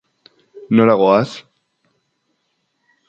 Nora goaz?